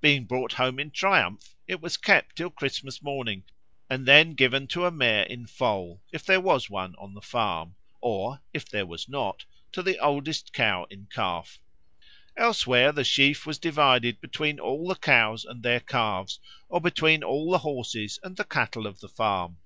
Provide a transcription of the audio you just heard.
Being brought home in triumph, it was kept till Christmas morning, and then given to a mare in foal, if there was one on the farm, or, if there was not, to the oldest cow in calf. Elsewhere the sheaf was divided between all the cows and their calves or between all the horses and the cattle of the farm.